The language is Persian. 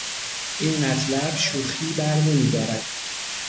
این مطلب شوخی برنمیدارد!